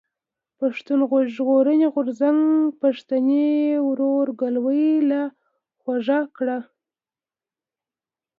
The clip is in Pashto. پښتون ژغورني غورځنګ پښتني ورورګلوي لا خوږه کړه.